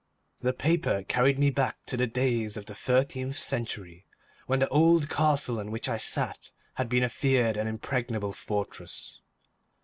The paper carried me back to the days of the thirteenth century, when the old castle in which I sat had been a feared and impregnable fortress.